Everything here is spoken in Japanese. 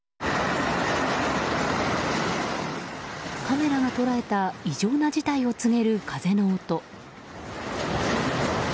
カメラが捉えた異常な事態を告げる風の音。